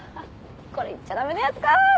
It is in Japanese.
これ言っちゃ駄目なやつか！